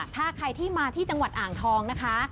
ถ้าใครที่มาที่จังหวัดอ่างทองนะคะ